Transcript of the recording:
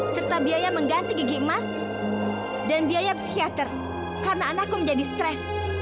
serta biaya mengganti gigi emas dan biaya psikiater karena anakku menjadi stres